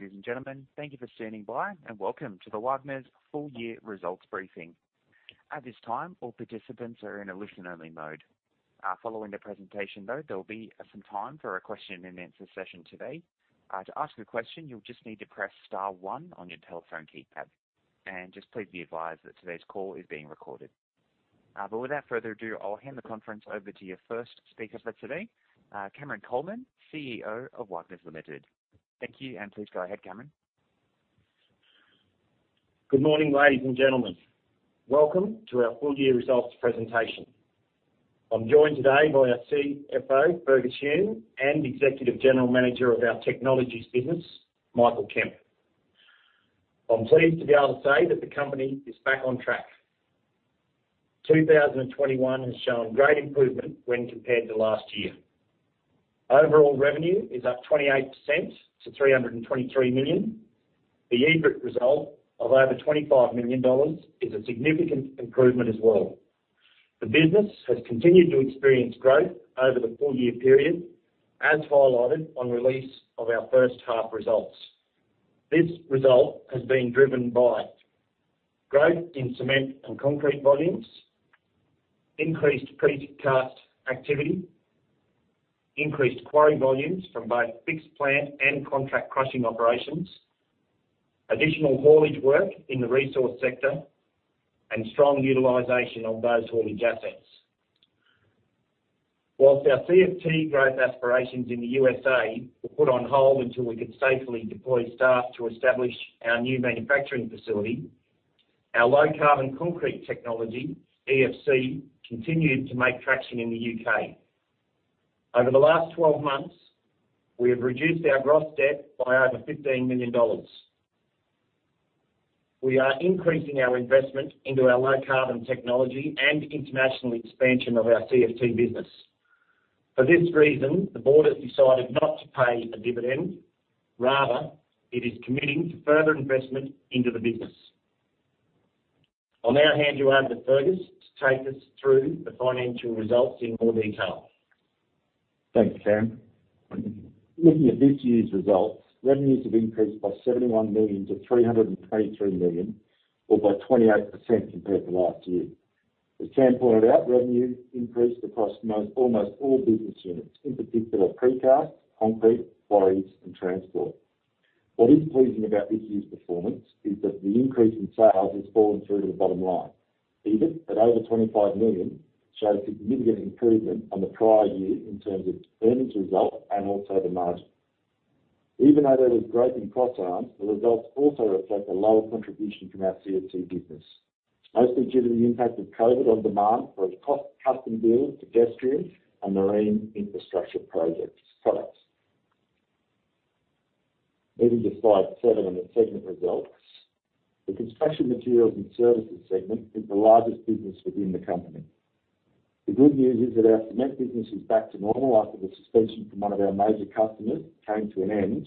Ladies and gentlemen, thank you for standing by, and welcome to the Wagners Holding Company full-year results briefing. At this time, all participants are in a listen-only mode. Following the presentation though, there will be some time for a question-and-answer session today. To ask a question, you will just need to press star 1 on your telephone keypad. Please be advised that today's call is being recorded. Without further ado, I will hand the conference over to your first speaker for today, Cameron Coleman, CEO of Wagners Holding Company Limited. Thank you, and please go ahead, Cameron. Good morning, ladies and gentlemen. Welcome to our full year results presentation. I'm joined today by our CFO, Fergus Hume, and Executive General Manager of our technologies business, Michael Kemp. I'm pleased to be able to say that the company is back on track. 2021 has shown great improvement when compared to last year. Overall revenue is up 28% to 323 million. The EBIT result of over 25 million dollars is a significant improvement as well. The business has continued to experience growth over the full-year period, as highlighted on release of our first half results. This result has been driven by growth in cement and concrete volumes, increased precast activity, increased quarry volumes from both fixed plant and contract crushing operations, additional haulage work in the resource sector, and strong utilization of those haulage assets. Whilst our CFT growth aspirations in the U.S.A. were put on hold until we could safely deploy staff to establish our new manufacturing facility, our low carbon concrete technology, EFC, continued to make traction in the U.K. Over the last 12 months, we have reduced our gross debt by over 15 million dollars. We are increasing our investment into our low carbon technology and international expansion of our CFT business. For this reason, the board has decided not to pay a dividend. Rather, it is committing to further investment into the business. I'll now hand you over to Fergus to take us through the financial results in more detail. Thanks, Cam. Looking at this year's results, revenues have increased by 71 million to 323 million or by 28% compared to last year. As Cam pointed out, revenues increased across almost all business units, in particular precast, concrete, quarries, and transport. What is pleasing about this year's performance is that the increase in sales has fallen through to the bottom line. EBIT, at over 25 million, shows significant improvement on the prior year in terms of earnings result and also the margin. Even though there was growth in cross-arms, the results also reflect a lower contribution from our CFT business, mostly due to the impact of COVID on demand for its custom build, pedestrian, and marine infrastructure projects products. Moving to slide seven on the segment results. The construction materials and services segment is the largest business within the company. The good news is that our cement business is back to normal after the suspension from 1 of our major customers came to an end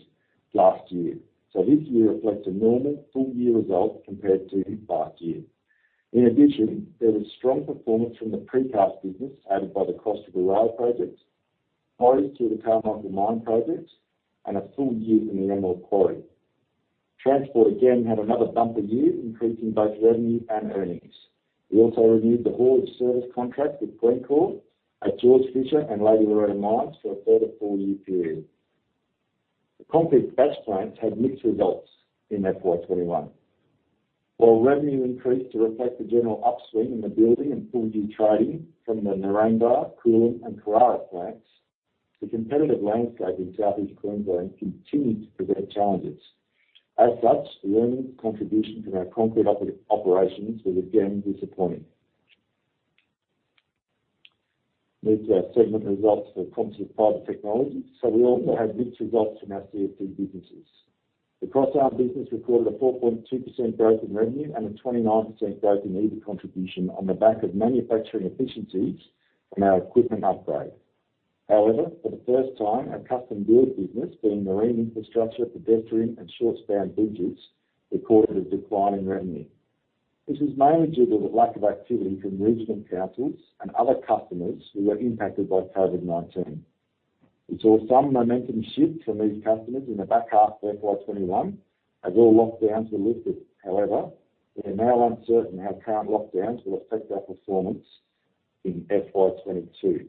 last year. This year reflects a normal full-year result compared to last year. In addition, there was strong performance from the precast business added by the Coppabella project, quarries to the Carmichael Mine project, and a full year from the Emerald Quarry. Transport again had another bumper year, increasing both revenue and earnings. We also renewed the haulage service contract with Glencore at George Fisher and Lady Loretta mines for a further four-year period. The concrete batch plants had mixed results in FY 2021. While revenue increased to reflect the general upswing in the building and full year trading from the Narangba, Coolum, and Carrara plants, the competitive landscape in Southeast Queensland continued to present challenges. As such, earnings contribution from our concrete operations was again disappointing. Moving to our segment results for Composite Fibre Technologies. We also had mixed results from our CFT businesses. The cross-arm business recorded a 4.2% growth in revenue and a 29% growth in EBIT contribution on the back of manufacturing efficiencies from our equipment upgrade. For the first time, our custom build business, being marine infrastructure, pedestrian, and short-span bridges, recorded a decline in revenue. This was mainly due to the lack of activity from regional councils and other customers who were impacted by COVID-19. We saw some momentum shift from these customers in the back half of FY 2021 as all lockdowns were lifted. We are now uncertain how current lockdowns will affect our performance in FY 2022.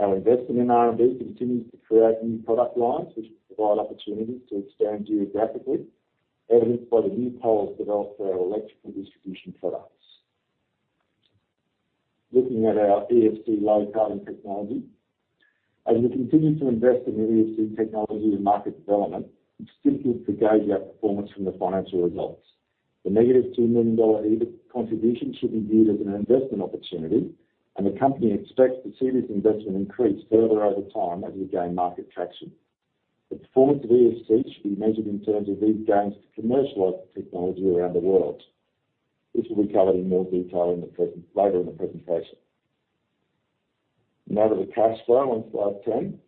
Our investment in R&D continues to create new product lines which will provide opportunities to expand geographically, as evidenced by the new poles developed for our electrical distribution products. Looking at our EFC low carbon technology. As we continue to invest in the EFC technology and market development, it's difficult to gauge our performance from the financial results. The negative 2 million dollar EBIT contribution should be viewed as an investment opportunity, and the company expects to see this investment increase further over time as we gain market traction. The performance of EFC should be measured in terms of these gains to commercialize the technology around the world. This will be covered in more detail later in the presentation. Now to the cash flow on slide 10.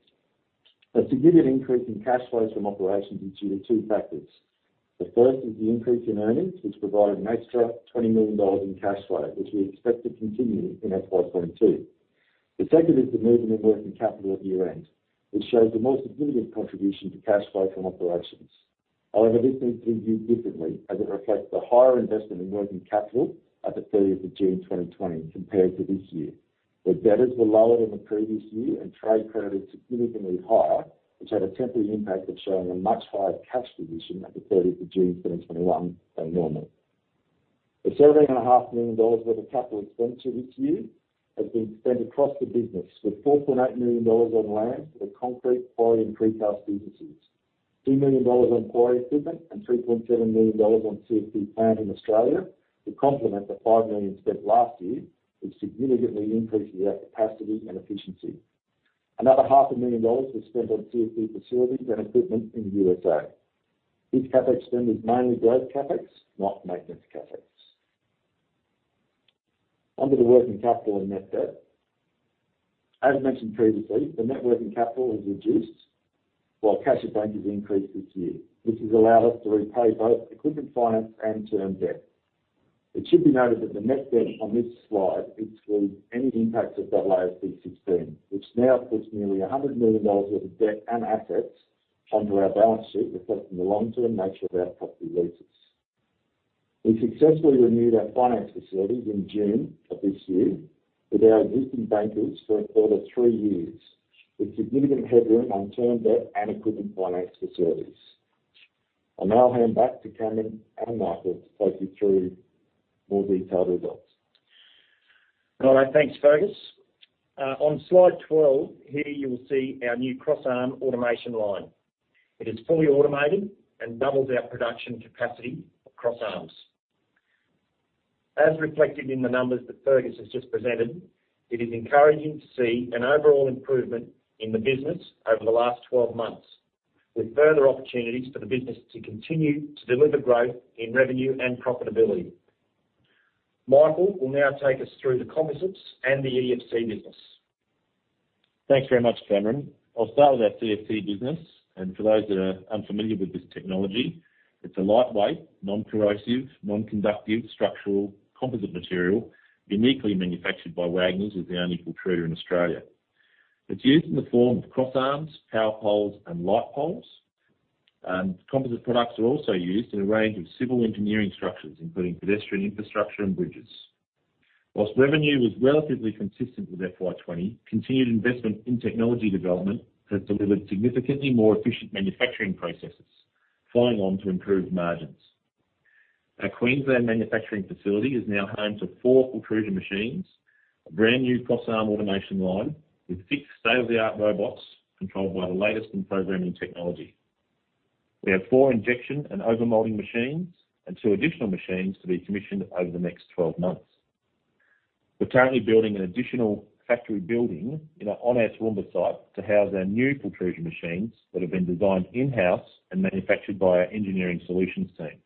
A significant increase in cash flows from operations is due to two factors. The first is the increase in earnings, which provided an extra 20 million dollars in cash flow, which we expect to continue in FY 2022. The second is the movement in working capital at year-end, which shows a more significant contribution to cash flow from operations. However, this needs to be viewed differently as it reflects the higher investment in working capital at the 30th of June 2020 compared to this year, where debtors were lower than the previous year and trade credit significantly higher, which had a temporary impact of showing a much higher cash position at the 30th of June 2021 than normal. The 17.5 million dollars worth of capital expenditure this year has been spent across the business, with 4.8 million dollars on land for the Concrete, Quarry, and Precast businesses, 2 million dollars on quarry equipment, and 3.7 million dollars on CFT plant in Australia to complement the 5 million spent last year, which significantly increases our capacity and efficiency. Another half a million dollars was spent on CFT facilities and equipment in the U.S.A. This CapEx spend is mainly growth CapEx, not maintenance CapEx. Under the working capital and net debt, as mentioned previously, the net working capital has reduced while cash at bank has increased this year, which has allowed us to repay both equipment finance and term debt. It should be noted that the net debt on this slide excludes any impacts of the AASB 16, which now puts nearly 100 million dollars worth of debt and assets onto our balance sheet, reflecting the long-term nature of our property leases. We successfully renewed our finance facilities in June of this year with our existing bankers for a further three years, with significant headroom on term debt and equipment finance facilities. I'll now hand back to Cameron and Michael to take you through more detailed results. All right. Thanks, Fergus. On slide 12, here you will see our new crossarm automation line. It is fully automated and doubles our production capacity of crossarms. As reflected in the numbers that Fergus has just presented, it is encouraging to see an overall improvement in the business over the last 12 months, with further opportunities for the business to continue to deliver growth in revenue and profitability. Michael will now take us through the composites and the EFC business. Thanks very much, Cameron. I'll start with our CFT business, and for those that are unfamiliar with this technology, it's a lightweight, non-corrosive, non-conductive structural composite material, uniquely manufactured by Wagners as the only pultruder in Australia. It's used in the form of crossarms, power poles, and light poles. Composite products are also used in a range of civil engineering structures, including pedestrian infrastructure and bridges. Whilst revenue was relatively consistent with FY 2020, continued investment in technology development has delivered significantly more efficient manufacturing processes, following on to improved margins. Our Queensland manufacturing facility is now home to four pultrusion machines, a brand-new crossarm automation line with 6 state-of-the-art robots controlled by the latest in programming technology. We have four injection and overmolding machines and two additional machines to be commissioned over the next 12 months. We're currently building an additional factory building on our Toowoomba site to house our new pultrusion machines that have been designed in-house and manufactured by our engineering solutions team.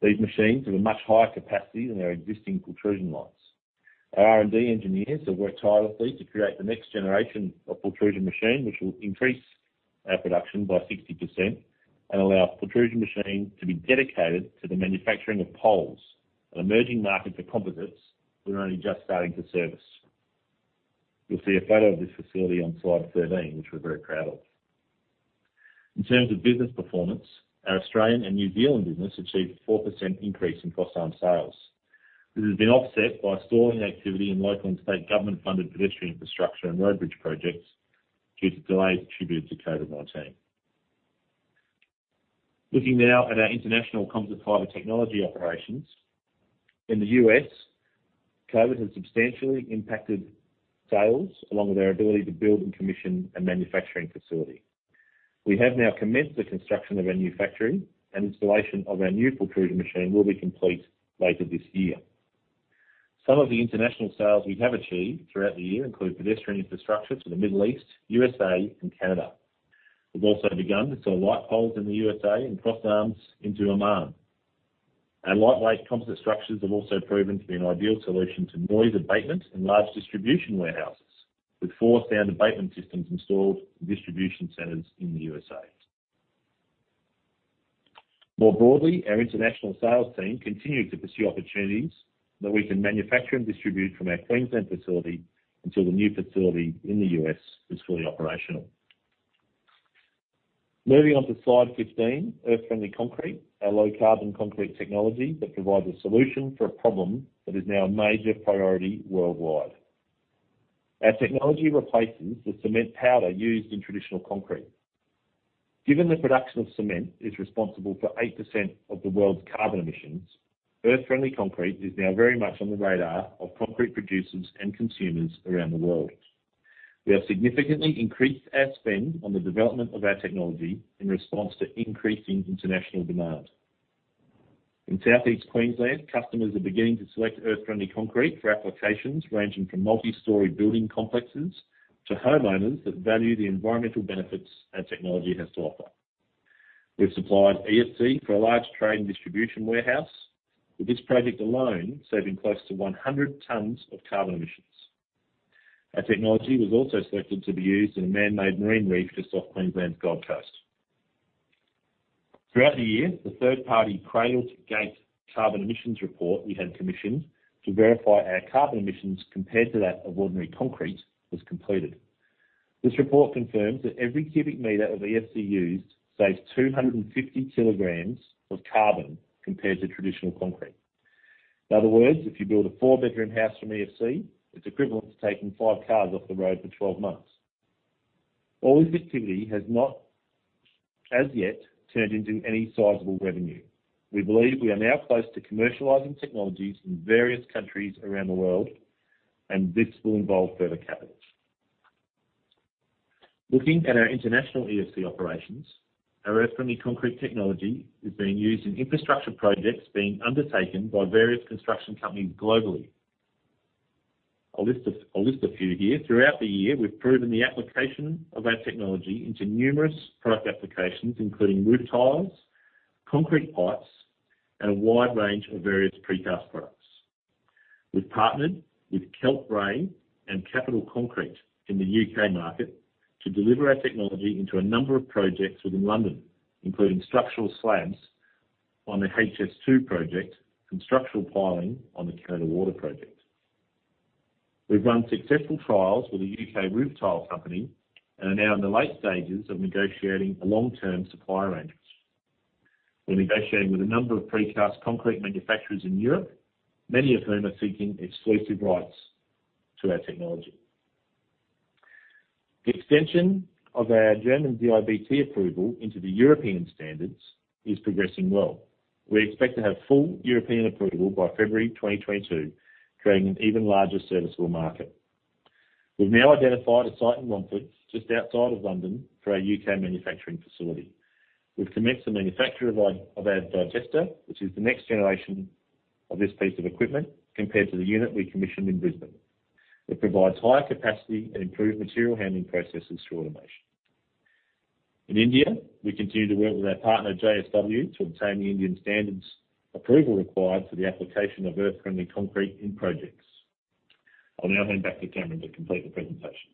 These machines have a much higher capacity than our existing pultrusion lines. Our R&D engineers have worked tirelessly to create the next generation of pultrusion machine, which will increase our production by 60% and allow pultrusion machines to be dedicated to the manufacturing of poles, an emerging market for composites we're only just starting to service. You'll see a photo of this facility on slide 13, which we're very proud of. In terms of business performance, our Australian and New Zealand business achieved a 4% increase in crossarm sales. This has been offset by slowing activity in local and state government-funded pedestrian infrastructure and road bridge projects due to delays attributed to COVID-19. Looking now at our international Composite Fibre Technologies operations. In the U.S., COVID has substantially impacted sales, along with our ability to build and commission a manufacturing facility. We have now commenced the construction of our new factory, and installation of our new pultrusion machine will be complete later this year. Some of the international sales we have achieved throughout the year include pedestrian infrastructure to the Middle East, USA, and Canada. We've also begun to sell light poles in the USA and crossarms into Oman. Our lightweight composite structures have also proven to be an ideal solution to noise abatement in large distribution warehouses, with four sound abatement systems installed in distribution centers in the USA. More broadly, our international sales team continue to pursue opportunities that we can manufacture and distribute from our Queensland facility until the new facility in the U.S. is fully operational. Moving on to slide 15, Earth Friendly Concrete, our low-carbon concrete technology that provides a solution for a problem that is now a major priority worldwide. Our technology replaces the cement powder used in traditional concrete. Given the production of cement is responsible for 8% of the world's carbon emissions, Earth Friendly Concrete is now very much on the radar of concrete producers and consumers around the world. We have significantly increased our spend on the development of our technology in response to increasing international demand. In Southeast Queensland, customers are beginning to select Earth Friendly Concrete for applications ranging from multi-story building complexes to homeowners that value the environmental benefits our technology has to offer. We've supplied EFC for a large trade and distribution warehouse, with this project alone saving close to 100 tons of carbon emissions. Our technology was also selected to be used in a man-made marine reef just off Queensland's Gold Coast. Throughout the year, the third-party cradle-to-gate carbon emissions report we had commissioned to verify our carbon emissions compared to that of ordinary concrete was completed. This report confirms that every cubic meter of EFC used saves 250 kilograms of carbon compared to traditional concrete. In other words, if you build a four-bedroom house from EFC, it is equivalent to taking five cars off the road for 12 months. All this activity has not as yet turned into any sizable revenue. We believe we are now close to commercializing technologies in various countries around the world, and this will involve further capital. Looking at our international EFC operations, our Earth-Friendly Concrete technology is being used in infrastructure projects being undertaken by various construction companies globally. I will list a few here. Throughout the year, we've proven the application of our technology into numerous product applications, including roof tiles, concrete pipes, and a wide range of various precast products. We've partnered with Keltbray and Capital Concrete in the U.K. market to deliver our technology into a number of projects within London, including structural slabs on the HS2 project and structural piling on the Thames Water project. We've run successful trials with a U.K. roof tile company and are now in the late stages of negotiating a long-term supply arrangement. We're negotiating with a number of precast concrete manufacturers in Europe, many of whom are seeking exclusive rights to our technology. The extension of our German DIBt approval into the European standards is progressing well. We expect to have full European approval by February 2022, creating an even larger serviceable market. We've now identified a site in Romford, just outside of London, for our U.K. manufacturing facility. We've commenced the manufacture of our digester, which is the next generation of this piece of equipment compared to the unit we commissioned in Brisbane. It provides higher capacity and improved material handling processes through automation. In India, we continue to work with our partner, JSW, to obtain the Indian standards approval required for the application of Earth Friendly Concrete in projects. I'll now hand back to Cameron to complete the presentation.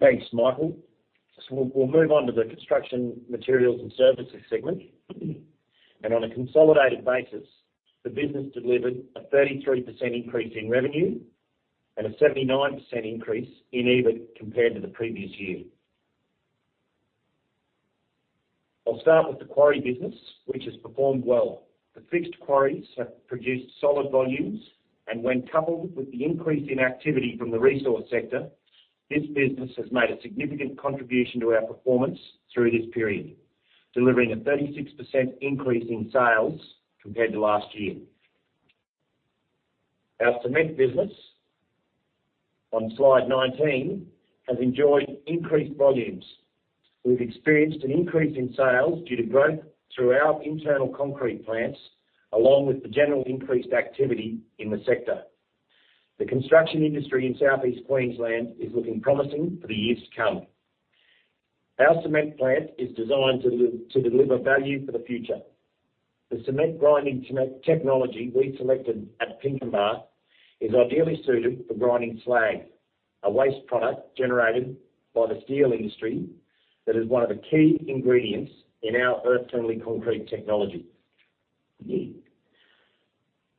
Thanks, Michael. We'll move on to the construction materials and services segment. On a consolidated basis, the business delivered a 33% increase in revenue and a 79% increase in EBIT compared to the previous year. I'll start with the quarry business, which has performed well. The fixed quarries have produced solid volumes, and when coupled with the increase in activity from the resource sector, this business has made a significant contribution to our performance through this period, delivering a 36% increase in sales compared to last year. Our cement business on slide 19 has enjoyed increased volumes. We've experienced an increase in sales due to growth through our internal concrete plants, along with the general increased activity in the sector. The construction industry in Southeast Queensland is looking promising for the years to come. Our cement plant is designed to deliver value for the future. The cement grinding technology we selected at Pinkenba is ideally suited for grinding slag, a waste product generated by the steel industry that is one of the key ingredients in our Earth-Friendly Concrete technology.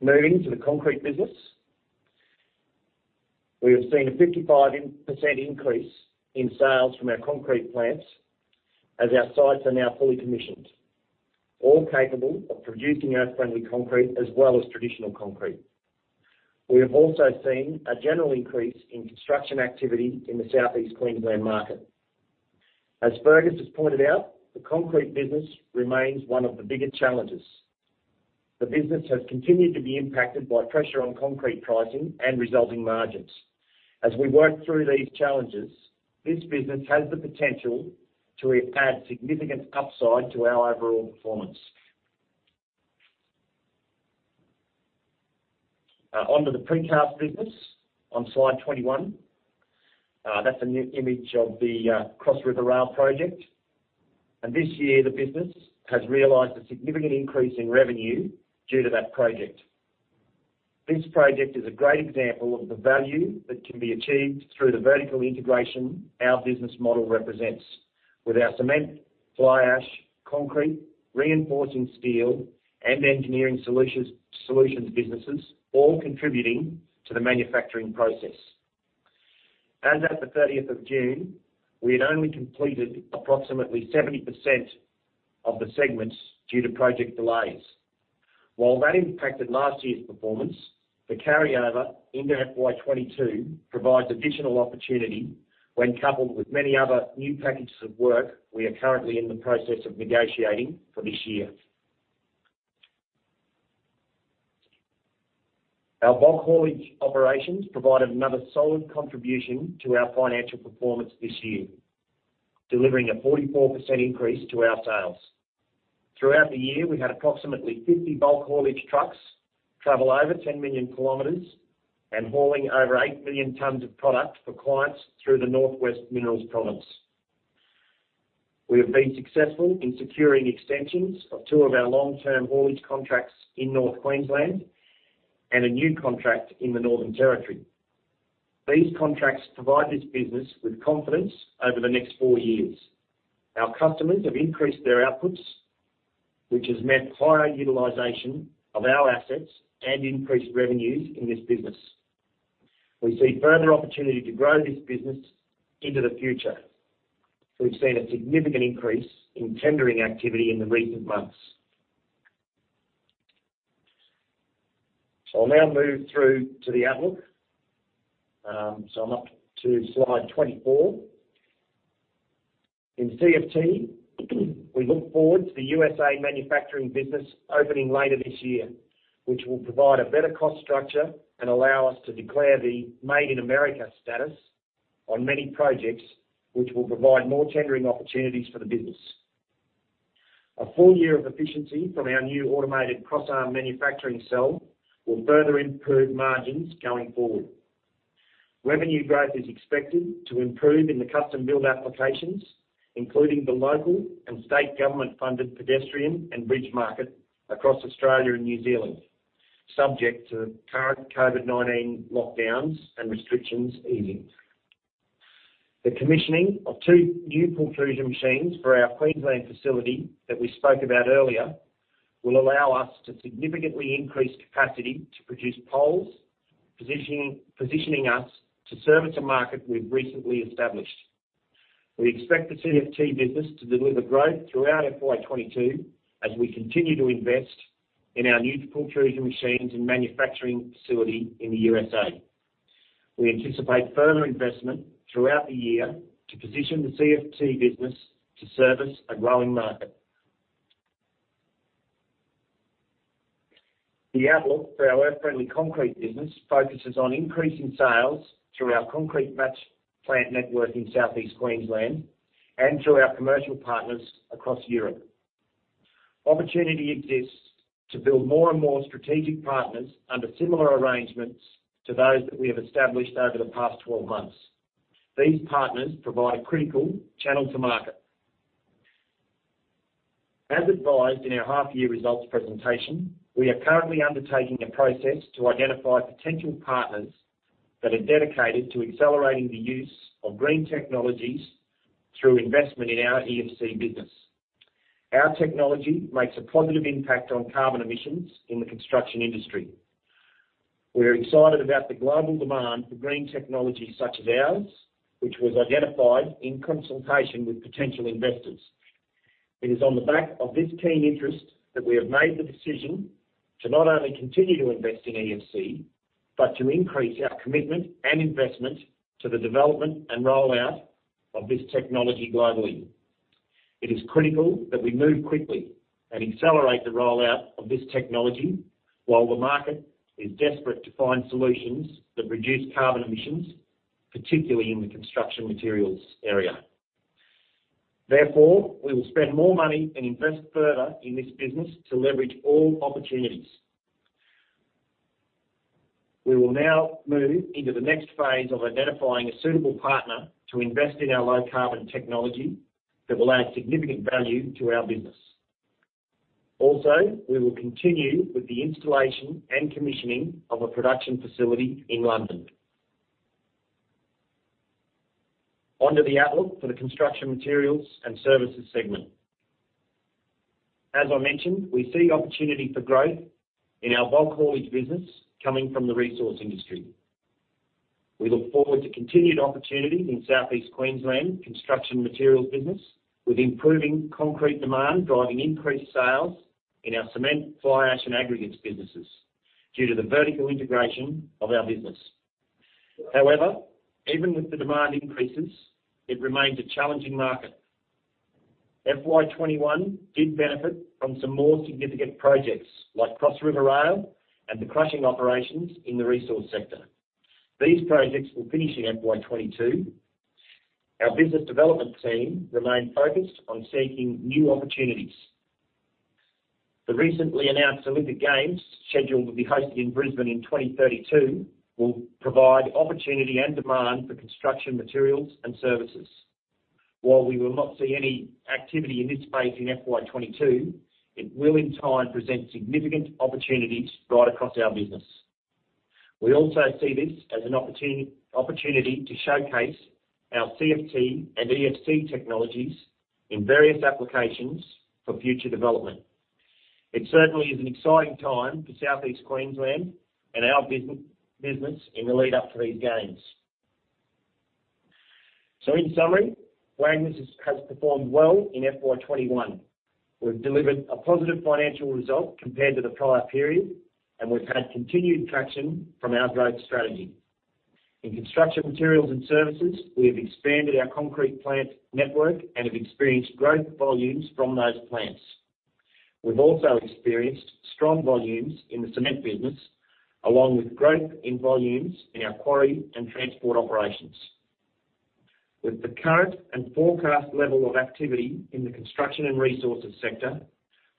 Moving to the concrete business. We have seen a 55% increase in sales from our concrete plants as our sites are now fully commissioned, all capable of producing Earth-Friendly Concrete as well as traditional concrete. We have also seen a general increase in construction activity in the Southeast Queensland market. As Fergus has pointed out, the concrete business remains one of the bigger challenges. The business has continued to be impacted by pressure on concrete pricing and resulting margins. As we work through these challenges, this business has the potential to add significant upside to our overall performance. On to the precast business on Slide 21. That's a new image of the Cross River Rail project. This year, the business has realized a significant increase in revenue due to that project. This project is a great example of the value that can be achieved through the vertical integration our business model represents with our cement, fly ash, concrete, reinforcing steel, and engineering solutions businesses all contributing to the manufacturing process. As at the 30th of June, we had only completed approximately 70% of the segments due to project delays. While that impacted last year's performance, the carryover into FY 2022 provides additional opportunity when coupled with many other new packages of work we are currently in the process of negotiating for this year. Our bulk haulage operations provided another solid contribution to our financial performance this year, delivering a 44% increase to our sales. Throughout the year, we had approximately 50 bulk haulage trucks travel over 10 million kilometers and hauling over 8 million tons of product for clients through the Northwest Minerals Province. We have been successful in securing extensions of two of our long-term haulage contracts in North Queensland and a new contract in the Northern Territory. These contracts provide this business with confidence over the next four years. Our customers have increased their outputs, which has meant higher utilization of our assets and increased revenues in this business. We see further opportunity to grow this business into the future. We've seen a significant increase in tendering activity in the recent months. I'm up to slide 24. In CFT, we look forward to the U.S.A. manufacturing business opening later this year, which will provide a better cost structure and allow us to declare the Made in America status on many projects, which will provide more tendering opportunities for the business. A full year of efficiency from our new automated cross-arm manufacturing cell will further improve margins going forward. Revenue growth is expected to improve in the custom build applications, including the local and state government-funded pedestrian and bridge market across Australia and New Zealand, subject to current COVID-19 lockdowns and restrictions easing. The commissioning of two new pultrusion machines for our Queensland facility that we spoke about earlier will allow us to significantly increase capacity to produce poles, positioning us to service a market we've recently established. We expect the CFT business to deliver growth throughout FY22 as we continue to invest in our new pultrusion machines and manufacturing facility in the USA. We anticipate further investment throughout the year to position the CFT business to service a growing market. The outlook for our Earth Friendly Concrete business focuses on increasing sales through our concrete batch plant network in Southeast Queensland and through our commercial partners across Europe. Opportunity exists to build more and more strategic partners under similar arrangements to those that we have established over the past 12 months. These partners provide critical channel to market. As advised in our half-year results presentation, we are currently undertaking a process to identify potential partners that are dedicated to accelerating the use of green technologies through investment in our EFC business. Our technology makes a positive impact on carbon emissions in the construction industry. We're excited about the global demand for green technology such as ours, which was identified in consultation with potential investors. It is on the back of this keen interest that we have made the decision to not only continue to invest in EFC, but to increase our commitment and investment to the development and rollout of this technology globally. It is critical that we move quickly and accelerate the rollout of this technology while the market is desperate to find solutions that reduce carbon emissions, particularly in the construction materials area. Therefore, we will spend more money and invest further in this business to leverage all opportunities. We will now move into the next phase of identifying a suitable partner to invest in our low carbon technology that will add significant value to our business. Also, we will continue with the installation and commissioning of a production facility in London. Onto the outlook for the construction materials and services segment. As I mentioned, we see opportunity for growth in our bulk haulage business coming from the resource industry. We look forward to continued opportunity in Southeast Queensland construction materials business, with improving concrete demand driving increased sales in our cement, fly ash, and aggregates businesses due to the vertical integration of our business. However, even with the demand increases, it remains a challenging market. FY 2021 did benefit from some more significant projects like Cross River Rail and the crushing operations in the resource sector. These projects will finish in FY 2022. Our business development team remain focused on seeking new opportunities. The recently announced Olympic Games, scheduled to be hosted in Brisbane in 2032, will provide opportunity and demand for construction materials and services. While we will not see any activity in this space in FY 2022, it will in time present significant opportunities right across our business. We also see this as an opportunity to showcase our CFT and EFC technologies in various applications for future development. It certainly is an exciting time for Southeast Queensland and our business in the lead up to these games. In summary, Wagners has performed well in FY 2021. We've delivered a positive financial result compared to the prior period, and we've had continued traction from our growth strategy. In construction materials and services, we have expanded our concrete plant network and have experienced growth volumes from those plants. We've also experienced strong volumes in the cement business, along with growth in volumes in our quarry and transport operations. With the current and forecast level of activity in the construction and resources sector,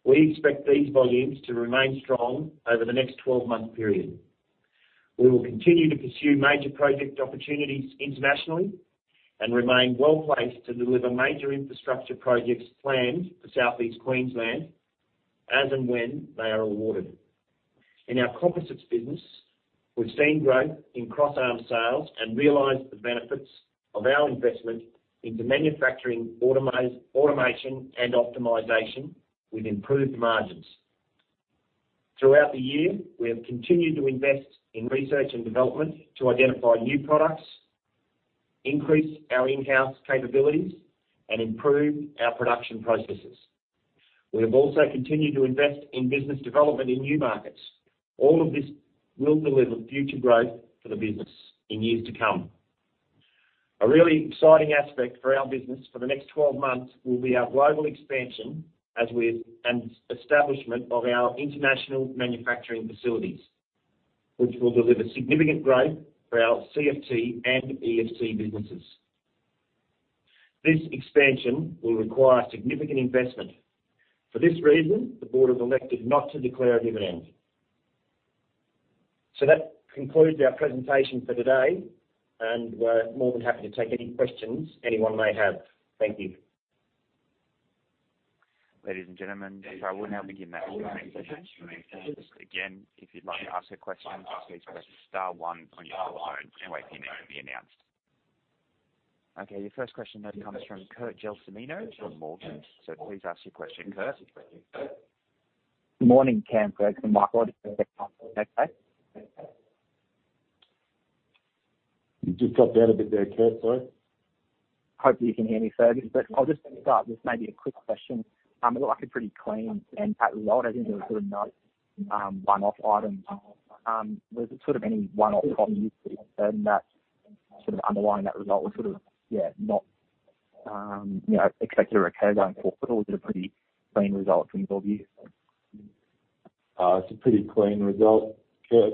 we expect these volumes to remain strong over the next 12-month period. We will continue to pursue major project opportunities internationally and remain well-placed to deliver major infrastructure projects planned for Southeast Queensland and when they are awarded. In our composites business, we've seen growth in cross-arm sales and realized the benefits of our investment into manufacturing, automation, and optimization with improved margins. Throughout the year, we have continued to invest in research and development to identify new products, increase our in-house capabilities, and improve our production processes. We have also continued to invest in business development in new markets. All of this will deliver future growth for the business in years to come. A really exciting aspect for our business for the next 12 months will be our global expansion and establishment of our international manufacturing facilities, which will deliver significant growth for our CFT and EFC businesses. This expansion will require significant investment. For this reason, the board have elected not to declare a dividend. That concludes our presentation for today, and we're more than happy to take any questions anyone may have. Thank you. Ladies and gentlemen, we'll now begin that question section. Again, if you'd like to ask a question, please press star one on your telephone and wait for your name to be announced. Okay, your first question comes from Kurt Gelsomino from Morgans. Please ask your question, Kurt. Morning, Cameron, Kurt from Morgans. You just dropped out a bit there, Kurt, sorry. Hope you can hear me, sorry. I'll just start with maybe a quick question. It looked like a pretty clean and tidy result. I think there were sort of no one-off items. Was there any one-off costs this year then that sort of underlying that result was sort of, yeah, not expected or accounted for, but all in a pretty clean result from your view? It's a pretty clean result, Kurt.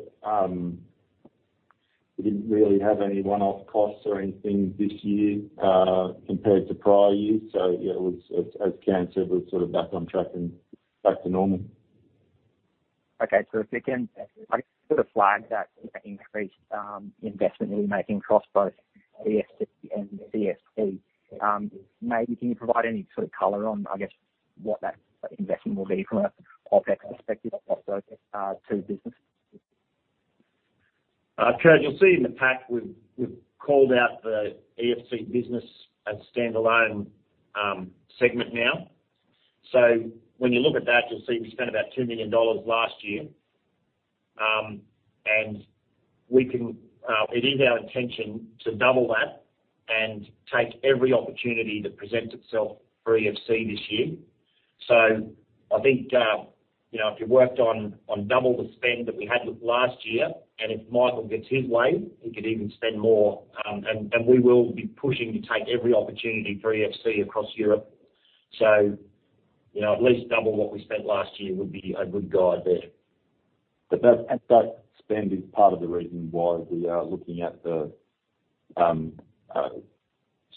We didn't really have any one-off costs or anything this year, compared to prior years. Yeah, as Cam said, we're sort of back on track and back to normal. Okay, terrific. You sort of flagged that increased investment that you're making across both EFC and CFT. Maybe can you provide any sort of color on, I guess, what that investment will be from an OpEx perspective of those two businesses? Kurt, you'll see in the pack we've called out the EFC business as a standalone segment now. When you look at that, you'll see we spent about 2 million dollars last year. It is our intention to double that and take every opportunity that presents itself for EFC this year. I think, if you worked on double the spend that we had with last year, and if Michael gets his way, he could even spend more, and we will be pushing to take every opportunity for EFC across Europe. At least double what we spent last year would be a good guide there. That spend is part of the reason why we are looking at the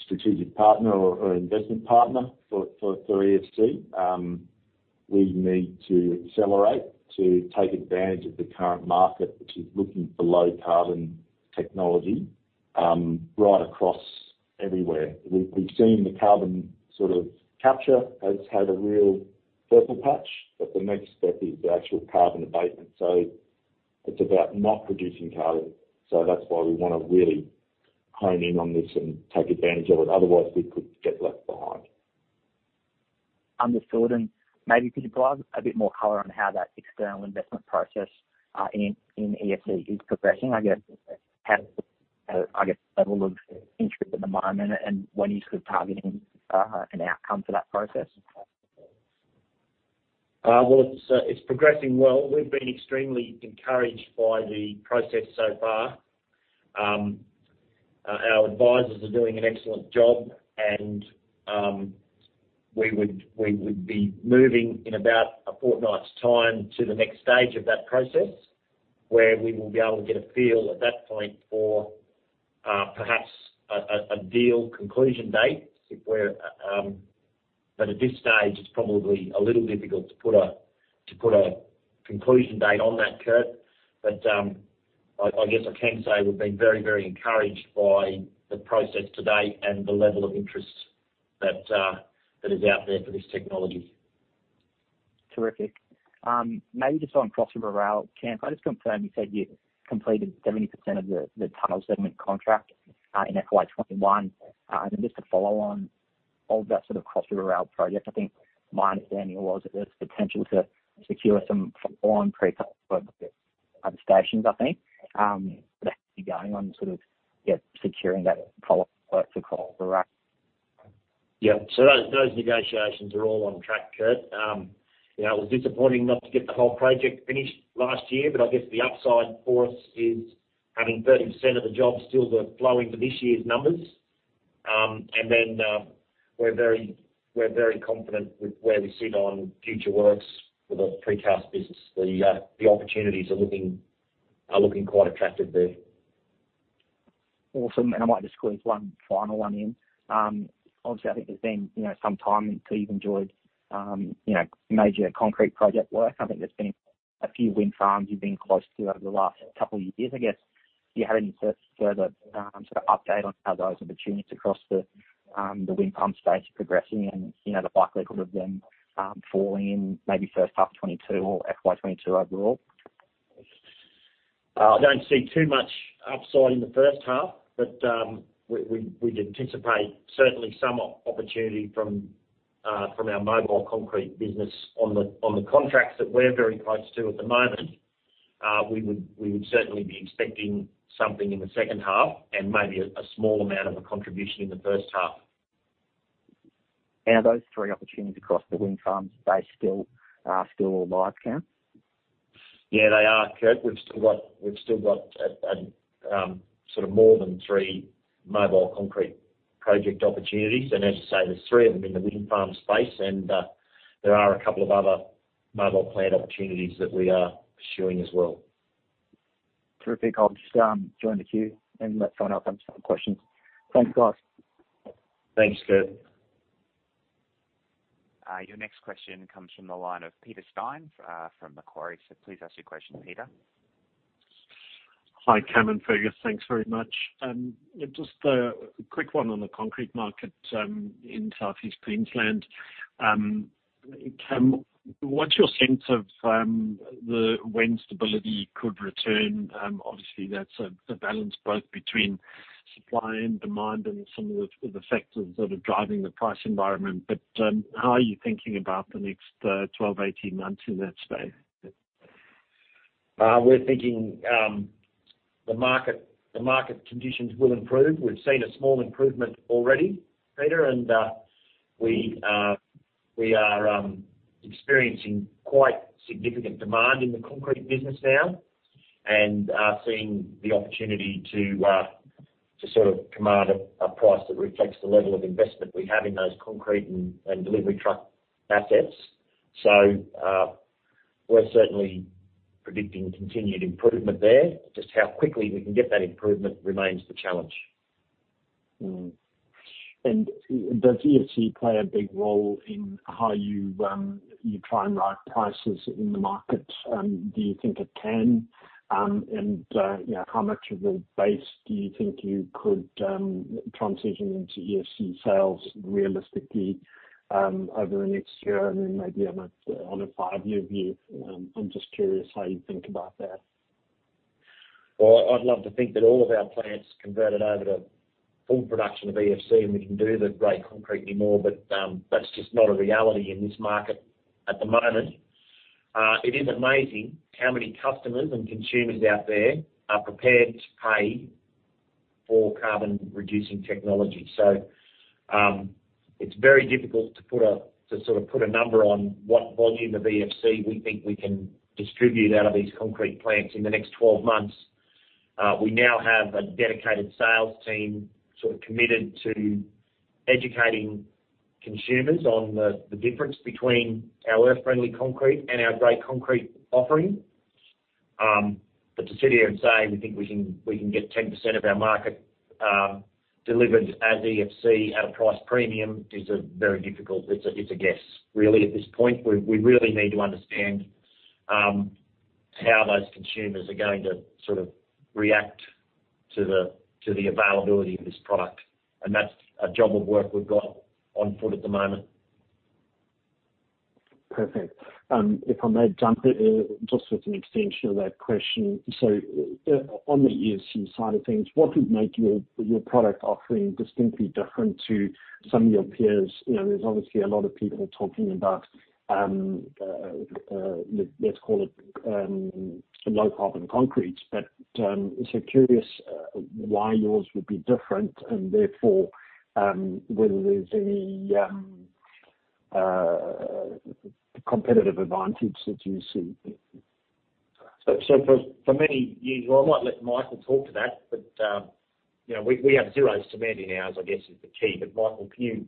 strategic partner or investment partner for EFC. We need to accelerate to take advantage of the current market, which is looking for low-carbon technology, right across everywhere. We've seen the carbon sort of capture has had a real fertile patch, but the next step is the actual carbon abatement. It's about not producing carbon, so that's why we wanna really hone in on this and take advantage of it. Otherwise, we could get left behind. Understood. Maybe could you provide a bit more color on how that external investment process, in EFC is progressing? I guess, level of interest at the moment and when you're sort of targeting an outcome for that process? Well, it's progressing well. We've been extremely encouraged by the process so far. Our advisors are doing an excellent job and, we would be moving in about a fortnight's time to the next stage of that process, where we will be able to get a feel at that point for perhaps a deal conclusion date. At this stage, it's probably a little difficult to put a conclusion date on that, Kurt. I guess I can say we've been very encouraged by the process to date and the level of interest that is out there for this technology. Terrific. Maybe just on Cross River Rail, Cam, can I just confirm, you said you completed 70% of the tunnel segment contract, in FY 2021. Just to follow on all of that sort of Cross River Rail project, I think my understanding was that there's potential to secure some foreign precast for other stations, I think. How's it been going on sort of, yeah, securing that work for Cross River Rail? Those negotiations are all on track, Kurt. It was disappointing not to get the whole project finished last year, but I guess the upside for us is having 30% of the job still flowing for this year's numbers. We're very confident with where we sit on future works for the precast business. The opportunities are looking quite attractive there. Awesome. I might just squeeze one final one in. Obviously, I think there's been some time until you've enjoyed major concrete project work. I think there's been a few wind farms you've been close to over the last couple of years, I guess. Do you have any further update on how those opportunities across the wind farm space are progressing and the pipeline of them falling in maybe first half 2022 or FY 2022 overall? I don't see too much upside in the first half. We'd anticipate certainly some opportunity from our mobile concrete business on the contracts that we're very close to at the moment. We would certainly be expecting something in the second half and maybe a small amount of a contribution in the first half. Are those three opportunities across the wind farms, they are still all live, Cameron? Yeah, they are, Kurt. We've still got more than three mobile concrete project opportunities. As you say, there's three of them in the wind farm space, and there are a couple of other mobile plant opportunities that we are pursuing as well. Terrific. I'll just join the queue and let someone else have some questions. Thanks, guys. Thanks, Kurt. Your next question comes from the line of Peter Stein from Macquarie. Please ask your question, Peter. Hi, Cam and Fergus. Thanks very much. Just a quick one on the concrete market in Southeast Queensland. Cam, what's your sense of when stability could return? Obviously, that's a balance both between supply and demand and some of the factors that are driving the price environment. How are you thinking about the next 12, 18 months in that space? We're thinking the market conditions will improve. We've seen a small improvement already, Peter, and we are experiencing quite significant demand in the concrete business now, and are seeing the opportunity to command a price that reflects the level of investment we have in those concrete and delivery truck assets. We're certainly predicting continued improvement there. Just how quickly we can get that improvement remains the challenge. Does EFC play a big role in how you try and write prices in the market? Do you think it can? How much of your base do you think you could transition into EFC sales realistically over the next year and then maybe on a five-year view? I'm just curious how you think about that. Well, I'd love to think that all of our plants converted over to full production of EFC, and we can do the grey concrete anymore, that's just not a reality in this market at the moment. It is amazing how many customers and consumers out there are prepared to pay for carbon-reducing technology. It's very difficult to put a number on what volume of EFC we think we can distribute out of these concrete plants in the next 12 months. We now have a dedicated sales team committed to educating consumers on the difference between our Earth Friendly Concrete and our grey concrete offering. To sit here and say we think we can get 10% of our market delivered as EFC at a price premium, it's a guess really at this point. We really need to understand how those consumers are going to react to the availability of this product. That's a job of work we've got on foot at the moment. Perfect. If I may jump just with an extension of that question. On the EFC side of things, what would make your product offering distinctly different to some of your peers? There's obviously a lot of people talking about, let's call it low carbon concrete, but just curious why yours would be different and therefore, whether there's any competitive advantage that you see. Well, I might let Michael talk to that, but we have zero cement in ours, I guess, is the key. Michael, can you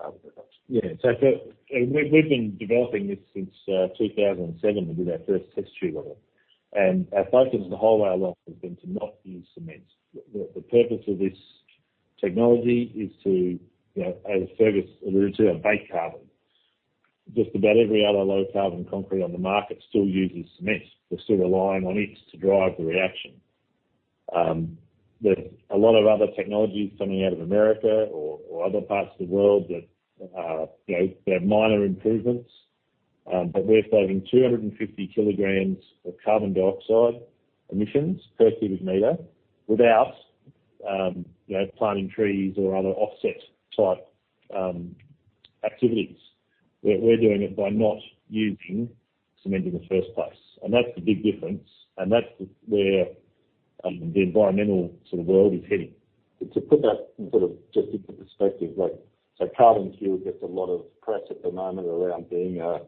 cover that? We've been developing this since 2007 with our first test tube of it. Our focus the whole way along has been to not use cement. The purpose of this technology is to, as Fergus alluded to, bake carbon. Just about every other low carbon concrete on the market still uses cement. They're still relying on it to drive the reaction. There's a lot of other technologies coming out of America or other parts of the world that they're minor improvements, but we're saving 250 kilograms of carbon dioxide emissions per cubic meter without planting trees or other offset type activities. We're doing it by not using cement in the first place. That's the big difference, and that's where the environmental world is heading. To put that in just into perspective, CarbonCure gets a lot of press at the moment around being a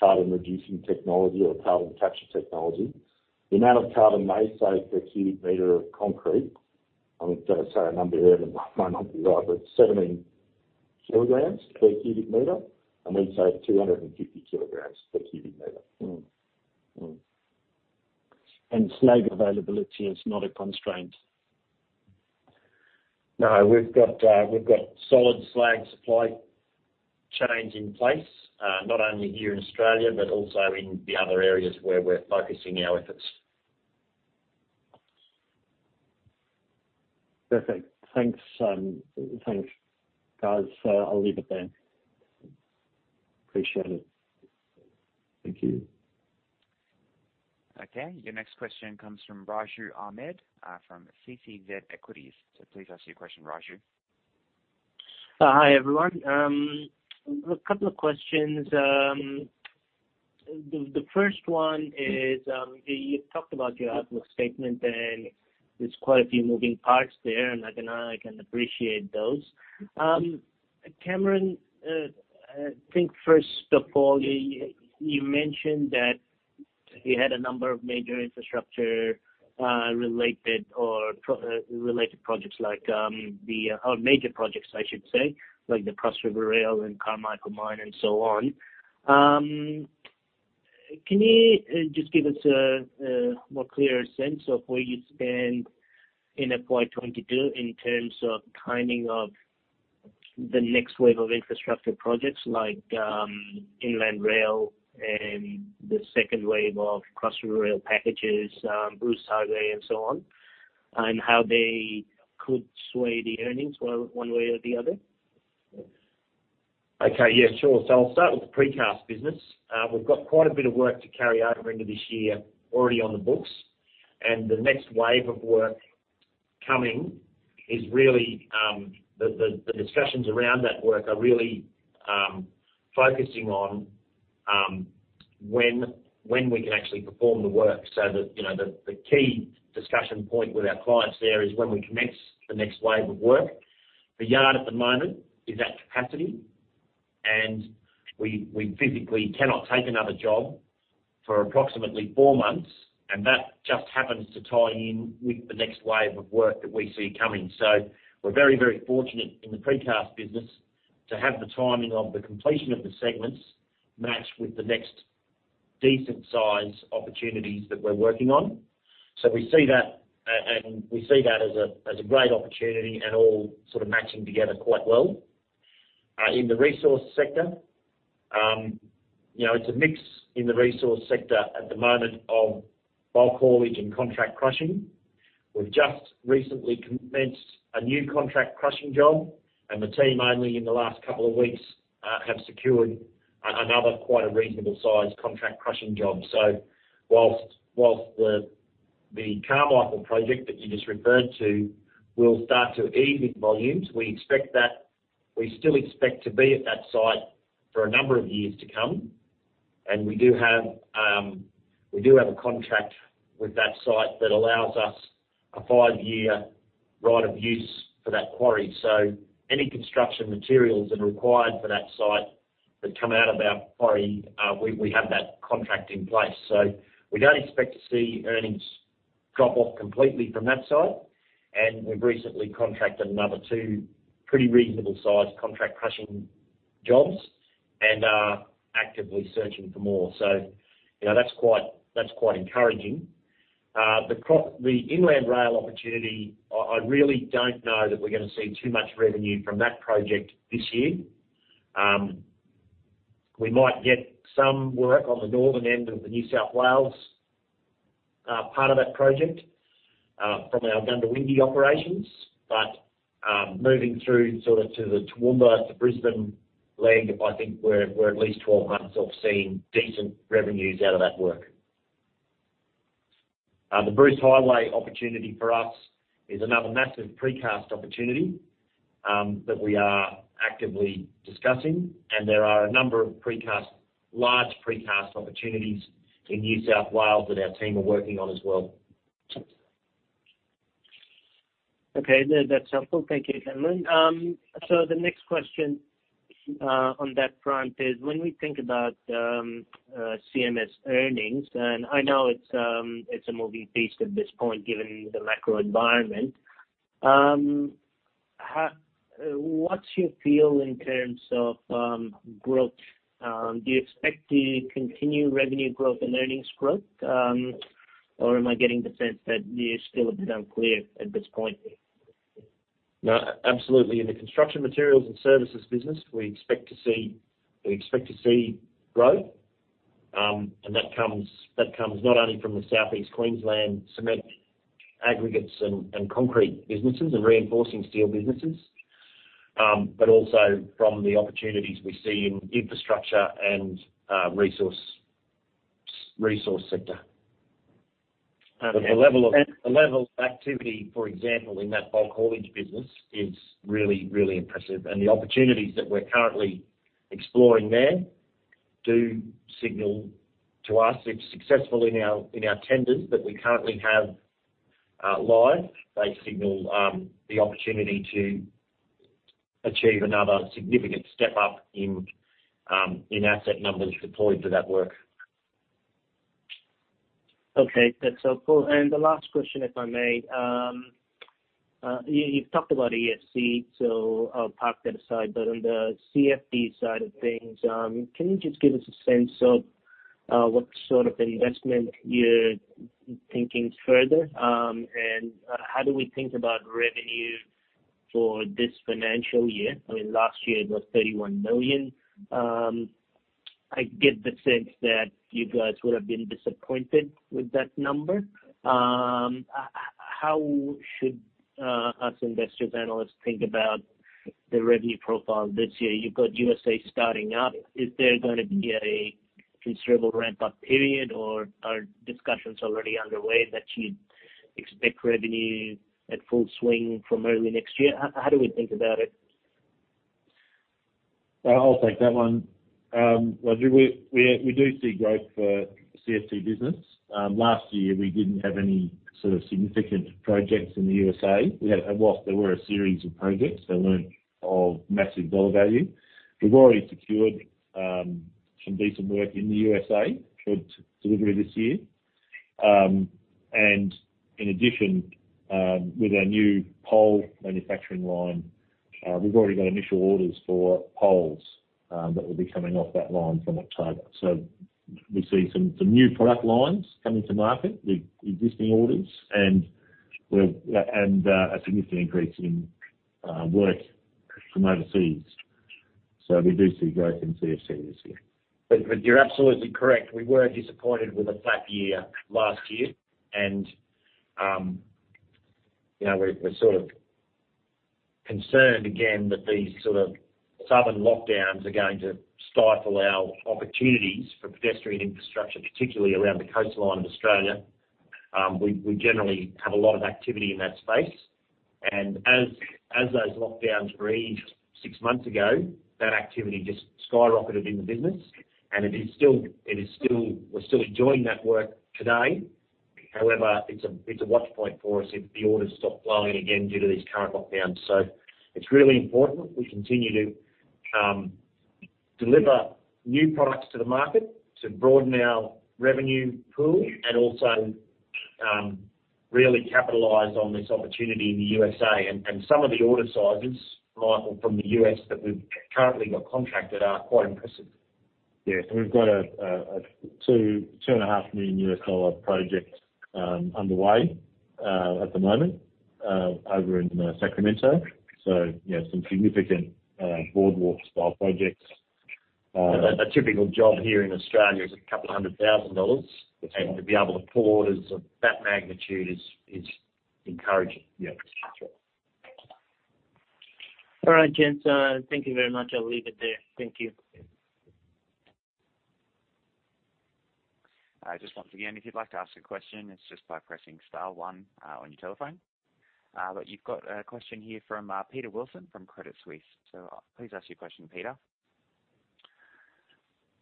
carbon-reducing technology or carbon capture technology. The amount of carbon they save per cubic meter of concrete, I'm gonna say a number here that might not be right, but it's 17 kilograms per cubic meter, and we save 250 kilograms per cubic meter. Mm-hmm. Slag availability is not a constraint? No, we've got solid slag supply chains in place. Not only here in Australia, but also in the other areas where we're focusing our efforts. Perfect. Thanks, guys. I'll leave it there. Appreciate it. Thank you. Okay. Your next question comes from Raju Ahmed, from CCZ Equities. Please ask your question, Raju. Hi, everyone. A couple of questions. The first one is, you talked about your outlook statement. There's quite a few moving parts there. I can appreciate those. Cameron, I think first of all, you mentioned that you had a number of major infrastructure-related projects or major projects, I should say, like the Cross River Rail and Carmichael Mine and so on. Can you just give us a more clearer sense of where you stand in FY 2022 in terms of timing of the next wave of infrastructure projects like Inland Rail and the second wave of Cross River Rail packages, Bruce Highway and so on? How they could sway the earnings one way or the other? Okay. Yeah, sure. I'll start with the precast business. We've got quite a bit of work to carry over into this year already on the books. The next wave of work coming is really the discussions around that work are really focusing on when we can actually perform the work so that the key discussion point with our clients there is when we commence the next wave of work. The yard at the moment is at capacity. We physically cannot take another job for approximately four months. That just happens to tie in with the next wave of work that we see coming. We're very fortunate in the precast business to have the timing of the completion of the segments match with the next decent size opportunities that we're working on. We see that as a great opportunity and all sort of matching together quite well. In the resource sector, it's a mix in the resource sector at the moment of bulk haulage and contract crushing. We've just recently commenced a new contract crushing job, and the team only in the last couple of weeks have secured another quite a reasonable size contract crushing job. Whilst the Carmichael Project that you just referred to will start to ease with volumes, we still expect to be at that site for a number of years to come. We do have a contract with that site that allows us a three-year right of use for that quarry, so any construction materials that are required for that site that come out of our quarry, we have that contract in place. We don't expect to see earnings drop off completely from that site, and we've recently contracted another two pretty reasonable size contract crushing jobs and are actively searching for more. That's quite encouraging. The Inland Rail opportunity, I really don't know that we're going to see too much revenue from that project this year. We might get some work on the northern end of the New South Wales part of that project from our Goondiwindi operations. Moving through sort of to the Toowoomba, to Brisbane leg, I think we're at least 12 months off seeing decent revenues out of that work. The Bruce Highway opportunity for us is another massive precast opportunity that we are actively discussing, and there are a number of large precast opportunities in New South Wales that our team are working on as well. That's helpful. Thank you, Cameron. The next question on that front is when we think about CMS earnings, and I know it's a moving feast at this point given the macro environment, what's your feel in terms of growth? Do you expect to continue revenue growth and earnings growth? Am I getting the sense that you're still a bit unclear at this point? No, absolutely. In the construction materials and services business, we expect to see growth. That comes not only from the South East Queensland cement aggregates and concrete businesses and reinforcing steel businesses, but also from the opportunities we see in infrastructure and resource sector. Okay. The level of activity, for example, in that bulk haulage business is really impressive. The opportunities that we're currently exploring there do signal to us if successful in our tenders that we currently have live, they signal the opportunity to achieve another significant step up in asset numbers deployed for that work. Okay. That's helpful. The last question, if I may. You've talked about EFC, so I'll park that aside, but on the CFT side of things, can you just give us a sense of what sort of investment you're thinking further? How do we think about revenue for this financial year? Last year it was 31 million. I get the sense that you guys would have been disappointed with that number. How should us investors, analysts think about the revenue profile this year? You've got USA starting up. Is there going to be a considerable ramp-up period, or are discussions already underway that you'd expect revenue at full swing from early next year? How do we think about it? I'll take that one. Raju, we do see growth for CFT business. Last year, we didn't have any sort of significant projects in the U.S.A. Whilst there were a series of projects, they weren't of massive dollar value. We've already secured some decent work in the U.S.A. for delivery this year. In addition, with our new pole manufacturing line, we've already got initial orders for poles that will be coming off that line from October. We see some new product lines coming to market with existing orders and a significant increase in work from overseas. We do see growth in CFT this year. You're absolutely correct. We were disappointed with a flat year last year. We're sort of concerned again that these sort of southern lockdowns are going to stifle our opportunities for pedestrian infrastructure, particularly around the coastline of Australia. We generally have a lot of activity in that space. As those lockdowns eased six months ago, that activity just skyrocketed in the business, and we're still enjoying that work today. However, it's a watch point for us if the orders stop flowing again due to these current lockdowns. It's really important we continue to deliver new products to the market to broaden our revenue pool and also really capitalize on this opportunity in the U.S.A. Some of the order sizes, Michael, from the U.S. that we've currently got contracted are quite impressive. Yeah. We've got a two and a half million US dollar project underway at the moment over in Sacramento. Some significant boardwalk-style projects. A typical job here in Australia is 200,000 dollars, and to be able to pull orders of that magnitude is encouraging. Yeah, that's right. All right, gents, thank you very much. I'll leave it there. Thank you. Just once again, if you'd like to ask a question, it's just by pressing star one on your telephone. You've got a question here from Peter Wilson from Credit Suisse. Please ask your question, Peter.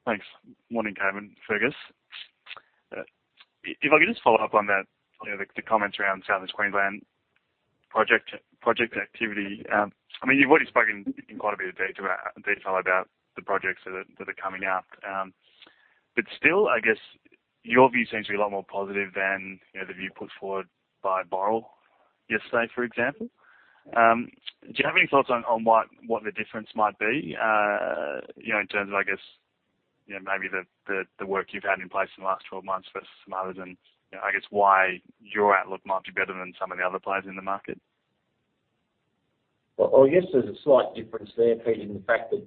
Thanks. Morning, Cameron, Fergus. If I could just follow up on the comments around Southeast Queensland project activity. You've already spoken in quite a bit of detail about the projects that are coming up. Still, I guess your view seems to be a lot more positive than the view put forward by Boral yesterday, for example. Do you have any thoughts on what the difference might be in terms of, I guess, maybe the work you've had in place in the last 12 months versus some others and I guess why your outlook might be better than some of the other players in the market? Well, I guess there's a slight difference there, Peter, in the fact that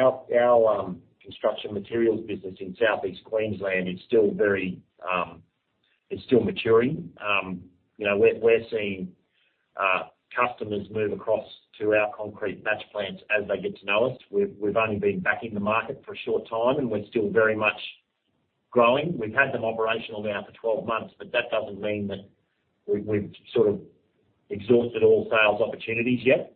our construction materials business in Southeast Queensland, it's still maturing. We're seeing customers move across to our concrete batch plants as they get to know us. We've only been back in the market for a short time, and we're still very much growing. We've had them operational now for 12 months, but that doesn't mean that we've sort of exhausted all sales opportunities yet.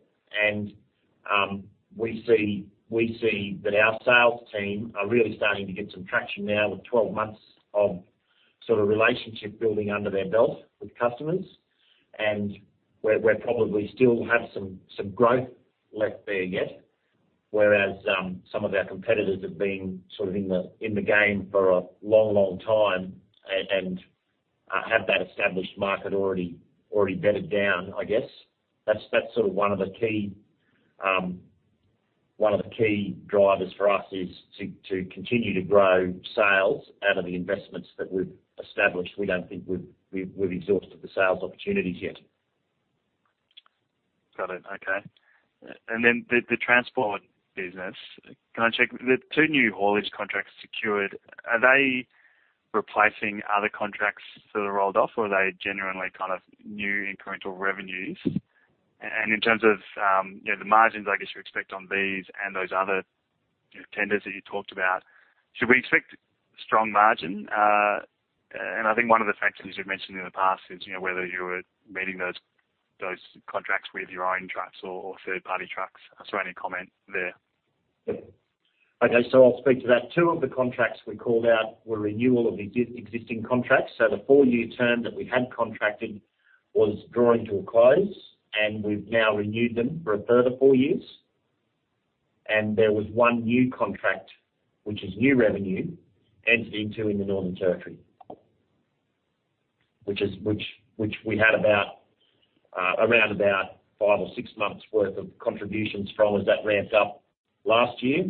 We see that our sales team are really starting to get some traction now with 12 months of sort of relationship building under their belt with customers. We probably still have some growth left there yet, whereas some of our competitors have been sort of in the game for a long, long time and have that established market already bedded down, I guess. That's sort of one of the key drivers for us is to continue to grow sales out of the investments that we've established. We don't think we've exhausted the sales opportunities yet. Got it. Okay. The transport business, can I check, the two new haulage contracts secured, are they replacing other contracts that are rolled off or are they genuinely kind of new incremental revenues? In terms of the margins, I guess, you expect on these and those other tenders that you talked about, should we expect strong margin? I think one of the factors you've mentioned in the past is whether you were meeting those contracts with your own trucks or third-party trucks. I just want any comment there. Okay. I'll speak to that. Two of the contracts we called out were renewal of existing contracts. The four-year term that we had contracted was drawing to a close, and we've now renewed them for a further four years. There was one new contract, which is new revenue, entered into in the Northern Territory. Which we had around about five or six months worth of contributions from as that ramped up last year,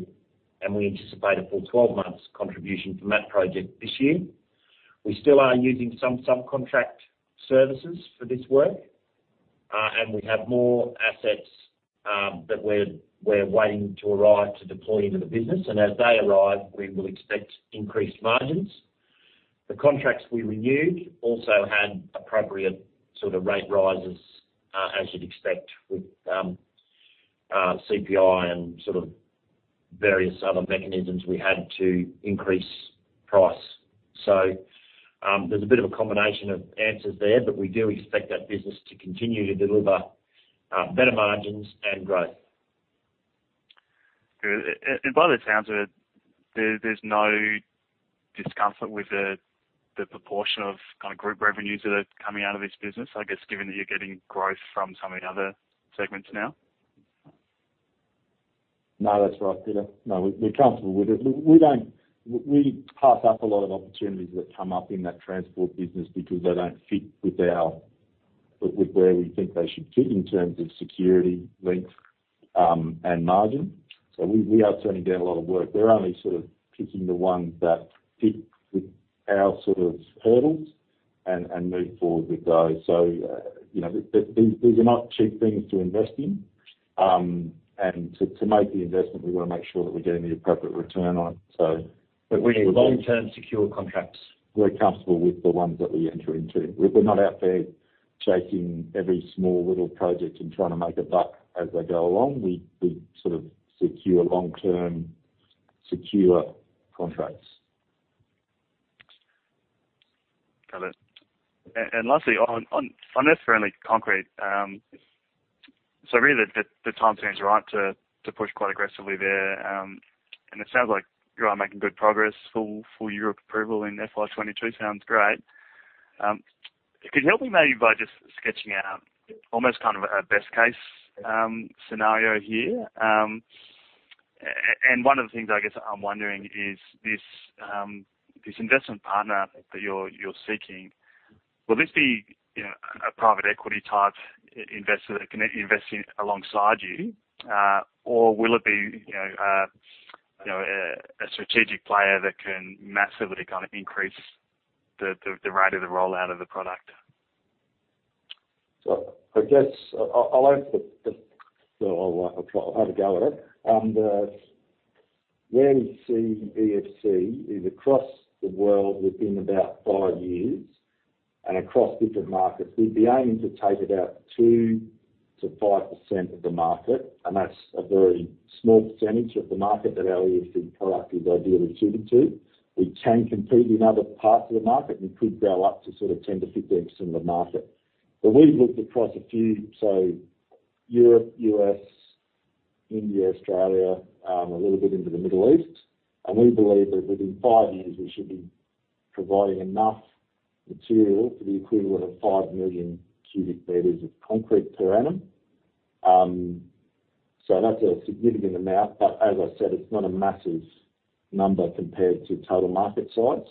and we anticipate a full 12 months contribution from that project this year. We still are using some subcontract services for this work, and we have more assets that we're waiting to arrive to deploy into the business. As they arrive, we will expect increased margins. The contracts we renewed also had appropriate sort of rate rises. As you'd expect with CPI and sort of various other mechanisms, we had to increase price. There's a bit of a combination of answers there, but we do expect that business to continue to deliver better margins and growth. By the sounds of it, there's no discomfort with the proportion of group revenues that are coming out of this business, I guess, given that you're getting growth from so many other segments now? That's right, Peter. We're comfortable with it. We pass up a lot of opportunities that come up in that transport business because they don't fit with where we think they should fit in terms of security, length, and margin. We are turning down a lot of work. We're only sort of picking the ones that fit with our sort of hurdles and move forward with those. These are not cheap things to invest in. To make the investment, we want to make sure that we're getting the appropriate return on it. We need long-term secure contracts. We're comfortable with the ones that we enter into. We're not out there chasing every small little project and trying to make a buck as they go along. We sort of secure long-term secure contracts. Got it. Lastly, on Earth Friendly Concrete. Really the time seems right to push quite aggressively there. It sounds like you are making good progress. Full Europe approval in FY 2022 sounds great. Could you help me maybe by just sketching out almost kind of a best case scenario here? One of the things I guess I'm wondering is this investment partner that you're seeking, will this be a private equity type investor that can invest in alongside you? Or will it be a strategic player that can massively increase the rate of the rollout of the product? I guess I'll have a go at it. Where we see EFC is across the world within about five years and across different markets. We'd be aiming to take about 2%-5% of the market. That's a very small percentage of the market that our EFC product is ideally suited to. We can compete in other parts of the market. We could grow up to sort of 10%-15% of the market. We've looked across a few, so Europe, U.S., India, Australia, a little bit into the Middle East, and we believe that within five years we should be providing enough material for the equivalent of 5 million cubic meters of concrete per annum. That's a significant amount, but as I said, it's not a massive number compared to total market size.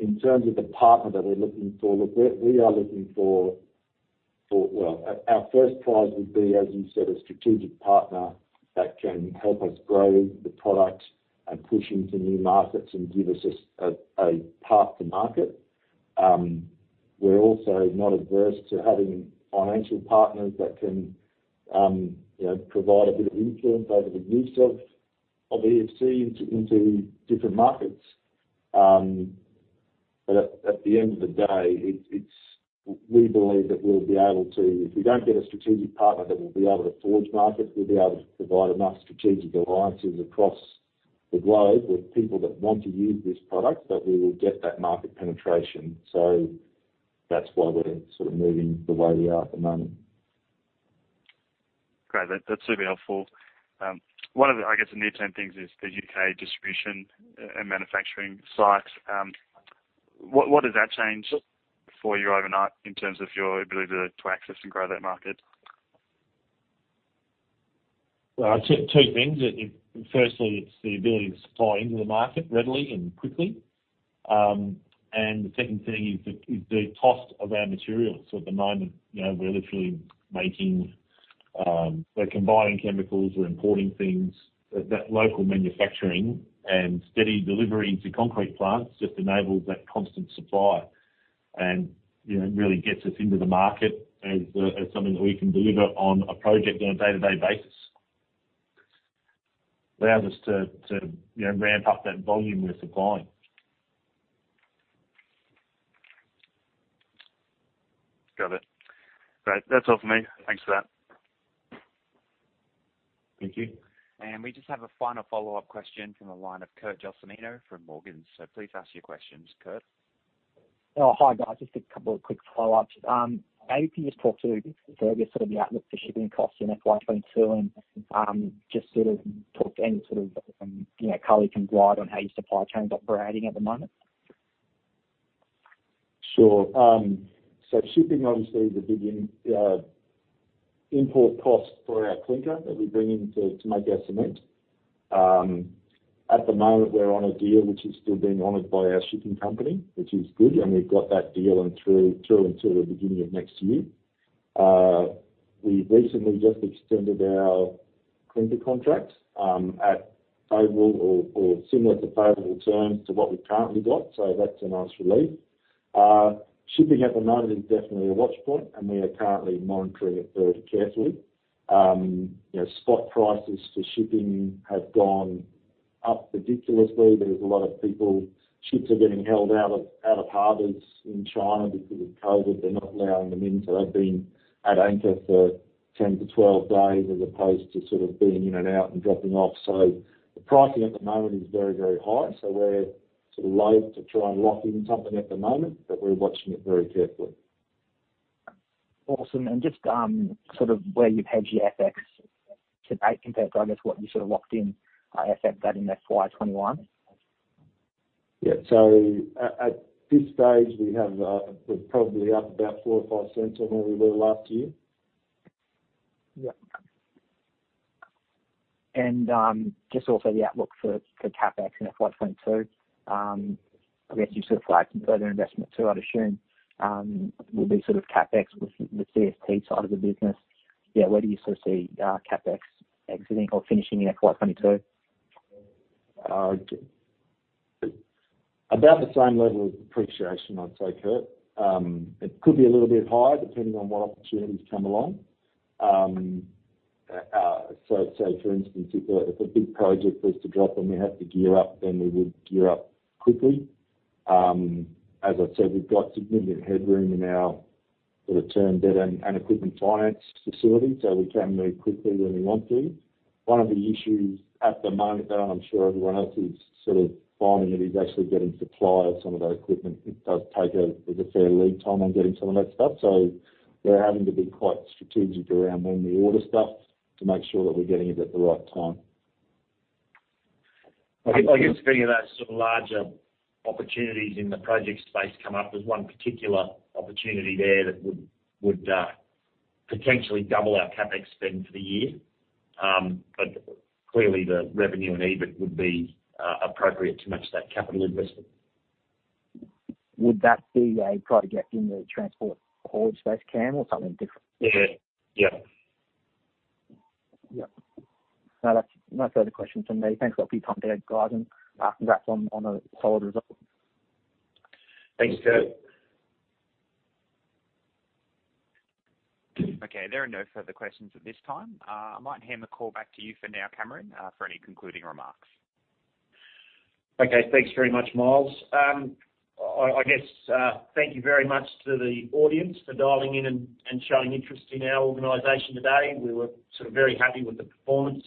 In terms of the partner that we're looking for, we are looking for, well, our first prize would be, as you said, a strategic partner that can help us grow the product and push into new markets and give us a path to market. We're also not adverse to having financial partners that can provide a bit of influence over the use of EFC into different markets. We believe that we'll be able to, if we don't get a strategic partner that will be able to forge markets, we'll be able to provide enough strategic alliances across the globe with people that want to use this product, that we will get that market penetration. That's why we're sort of moving the way we are at the moment. Great. That's super helpful. One of the, I guess, the near-term things is the U.K. distribution and manufacturing sites. What does that change for you overnight in terms of your ability to access and grow that market? Two things. Firstly, it's the ability to supply into the market readily and quickly. The second thing is the cost of our materials. At the moment we're literally making, we're combining chemicals, we're importing things. That local manufacturing and steady delivery into concrete plants just enables that constant supply and really gets us into the market as something that we can deliver on a project on a day-to-day basis. Allows us to ramp up that volume we're supplying. Got it. Great. That's all for me. Thanks for that. Thank you. We just have a final follow-up question from the line of Kurt Gelsomino from Morgans'. Please ask your questions, Kurt. Oh, hi, guys. Just a couple of quick follow-ups. Maybe you can just talk to further sort of the outlook for shipping costs in FY 2022 and just sort of talk to any sort of color you can provide on how your supply chain's operating at the moment. Sure. Shipping obviously is a big import costs for our clinker that we bring in to make our cement. At the moment, we're on a deal which is still being honored by our shipping company, which is good, and we've got that deal through until the beginning of next year. We recently just extended our clinker contract at favorable or similar to favorable terms to what we've currently got. That's a nice relief. Shipping at the moment is definitely a watch point, and we are currently monitoring it very carefully. Spot prices for shipping have gone up ridiculously. There's a lot of people, ships are getting held out of harbors in China because of COVID. They're not allowing them in, so they've been at anchor for 10-12 days, as opposed to being in and out and dropping off. The pricing at the moment is very, very high. We're sort of loathe to try and lock in something at the moment, but we're watching it very carefully. Awesome. Just where you've hedged your FX to date, compared to, I guess, what you sort of locked in FX back in FY 2021? Yeah. At this stage, we're probably up about 0.04 or 0.05 on where we were last year. Yeah. Just also the outlook for CapEx in FY 2022. I guess you flagged some further investment too, I'd assume, will be CapEx with the CFT side of the business. Yeah, where do you see CapEx exiting or finishing in FY 2022? About the same level of depreciation, I'd say, Kurt. It could be a little bit higher, depending on what opportunities come along. For instance, if a big project was to drop and we have to gear up, then we would gear up quickly. As I said, we've got significant headroom in our term debt and equipment finance facility, so we can move quickly when we want to. One of the issues at the moment that I'm sure everyone else is finding is actually getting supply of some of that equipment. It does take a fair lead time on getting some of that stuff, so we're having to be quite strategic around when we order stuff to make sure that we're getting it at the right time. I guess if any of those larger opportunities in the project space come up, there's one particular opportunity there that would potentially double our CapEx spend for the year. Clearly the revenue and EBIT would be appropriate to match that capital investment. Would that be a try to get in the transport haulage space, Cameron, or something different? Yeah. Yeah. No, that's no further questions from me. Thanks a lot for your time today, guys, and congrats on a solid result. Thanks, Kurt. Okay. There are no further questions at this time. I might hand the call back to you for now, Cameron, for any concluding remarks. Okay. Thanks very much, Miles. I guess, thank you very much to the audience for dialing in and showing interest in our organization today. We were very happy with the performance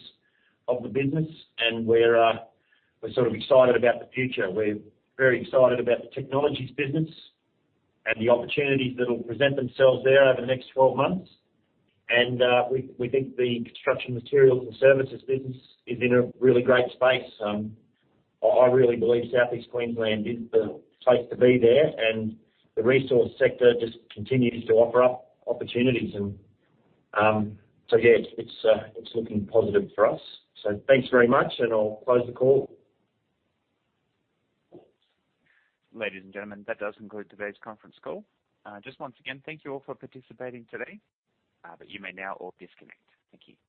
of the business, and we're excited about the future. We're very excited about the technologies business and the opportunities that'll present themselves there over the next 12 months. We think the construction materials and services business is in a really great space. I really believe Southeast Queensland is the place to be there, and the resource sector just continues to offer up opportunities. Yeah, it's looking positive for us. Thanks very much, and I'll close the call. Ladies and gentlemen, that does conclude today's conference call. Just once again, thank you all for participating today. You may now all disconnect. Thank you.